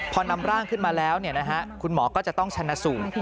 พอนำร่างขึ้นมาแล้วคุณหมอก็จะต้องชนะสูตร